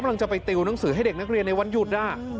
จะไปติวหนังสือให้เด็กนักเรียนในวันหยุด